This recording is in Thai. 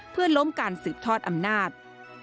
เพื่อล้มการสืบทอดอำนาจ